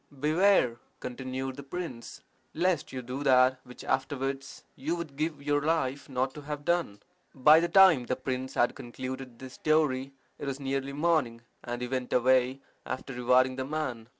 "Beware," continued the prince, "lest you do that which afterwards you would give your life not to have done." By the time the prince had concluded this story it was nearly morning, and he went away, after rewarding the man.